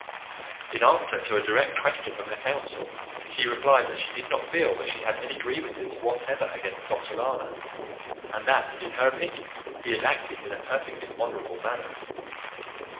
In answer to a direct question from her counsel, she replied that she did not feel that she had any grievance whatever against Dr. Lana, and that in her opinion he had acted in a perfectly honourable manner.